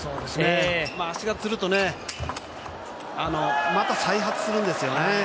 足がつるとまた再発するんですよね。